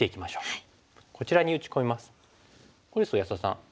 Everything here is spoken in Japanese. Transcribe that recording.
はい。